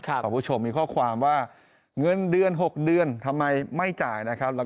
คุณผู้ชมมีข้อความว่าเงินเดือน๖เดือนทำไมไม่จ่ายนะครับ